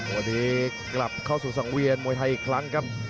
วันนี้กลับเข้าสู่สังเวียนมวยไทยอีกครั้งครับ